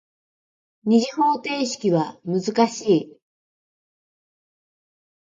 二次方程式は難しい。